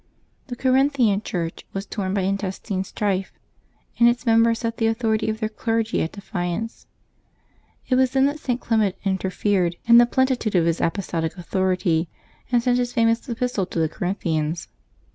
The Corinthian Church was torn by intestine strife, and its members set the authority of their clergy at defiance. It was then that St. Clement interfered in the plenitude of his apostolic authority, and sent his famous epistle to the Corinthians.